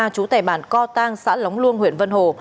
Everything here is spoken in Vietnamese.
chú tẻ bản co tang xã lóng luông huyện vân hồ